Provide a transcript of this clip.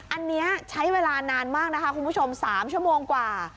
อันนี้ใช้เวลานานมากนะคะคุณผู้ชม๓ชั่วโมงกว่า